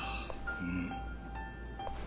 うん。